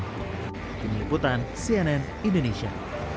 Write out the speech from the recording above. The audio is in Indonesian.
dengan penyeliputan cnn indonesia